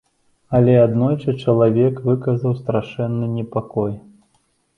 Але аднойчы чалавек выказаў страшэнны непакой.